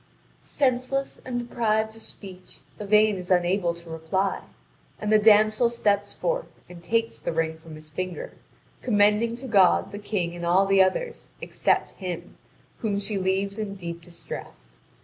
(Vv. 2774 3230.) Senseless and deprived of speech, Yvain is unable to reply. And the damsel steps forth and takes the ring from his finger, commending to God the King and all the others except him, whom she leaves in deep distress.